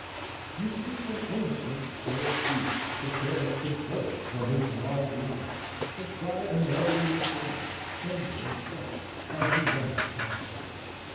You see some innocent fair shoots preparing to burst from his gnarled rind and try another year's life, tender and fresh as the youngest plant.